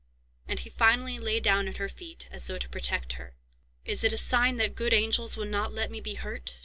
And he finally lay down at her feet, as though to protect her. "Is it a sign that good angels will not let me be hurt?"